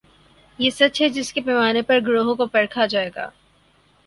یہ سچ ہے جس کے پیمانے پر گروہوں کو پرکھا جائے گا۔